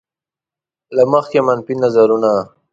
له مخکې منفي نظرونه.